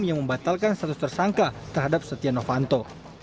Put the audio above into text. yang membatalkan status tersangka terhadap setia novanto